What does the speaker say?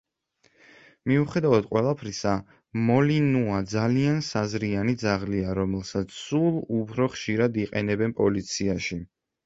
მიუხედავად ყველაფრისა, მოლინუა ძალიან საზრიანი ძაღლია, რომელსაც სულ უფრო ხშირად იყენებენ პოლიციაში.